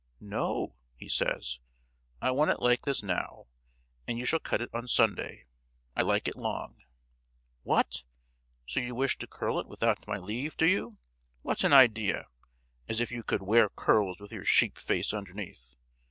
" "No," he says, "I want it like this now, and you shall cut it on Sunday. I like it long!" "What!—So you wish to curl it without my leave, do you! What an idea—as if you could wear curls with your sheep face underneath!